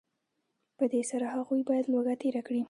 په دې سره هغوی باید لوږه تېره کړي